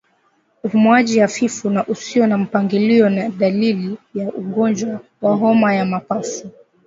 Upumuaji hafifu na usio na mpangilio ni dalili ya ugonjwa wa homa ya mapafu